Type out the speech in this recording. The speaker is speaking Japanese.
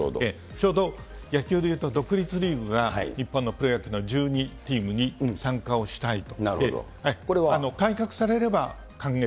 ちょうど野球で言うと独立リーグが日本のプロ野球の１２チームに参加をしたいと、これは改革されれば歓迎。